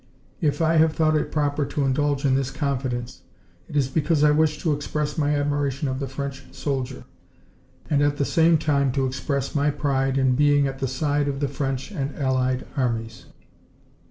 If I have thought it proper to indulge in this confidence, it is because I wish to express my admiration of the French soldier, and at the same time to express my pride in being at the side of the French and allied armies.